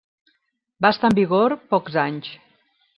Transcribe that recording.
Va estar en vigor pocs anys.